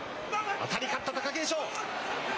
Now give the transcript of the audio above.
当たり勝った貴景勝。